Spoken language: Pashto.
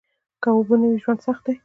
که اوبه نه وي ژوند سخت دي